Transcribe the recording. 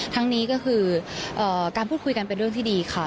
ทั้งนี้ก็คือการพูดคุยกันเป็นเรื่องที่ดีค่ะ